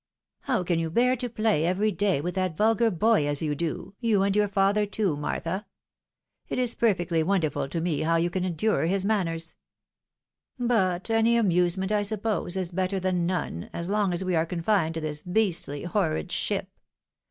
" How can you bear to play every day with that vulgar boy as you do ? you, and your father too, Martha ! It is perfectly wonderful to me how you can endure his maimers ! But any amusement, I suppose, is better than none, as long as we are confined to this beastly, horrid ship.